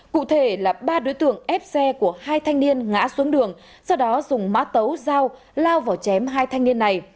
cụ thể là ba đối tượng ép xe của hai thanh niên ngã xuống đường sau đó dùng mã tấu dao lao vào chém hai thanh niên này